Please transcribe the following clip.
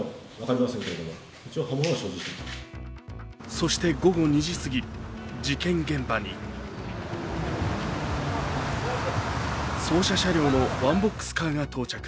そして午後２時すぎ、事件現場に捜査車両のワンボックスカーが到着。